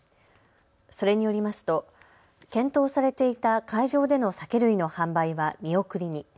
それによりますと検討されていた会場での酒類の販売は見送りに。